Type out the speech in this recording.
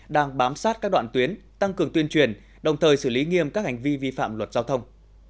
đang bám sát các đoạn tuyến tăng cường tuyên truyền đồng thời xử lý nghiêm các hành vi vi phạm luật giao thông